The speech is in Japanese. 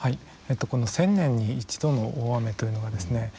この１０００年に１度の大雨というのはですね